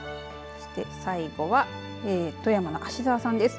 そして最後は富山の芦沢さんです。